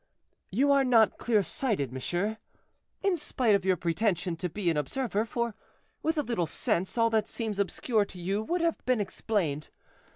"You are not clear sighted, monsieur, in spite of your pretension to be an observer: for, with a little sense, all that seems obscure to you would have been explained.